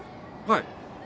はい。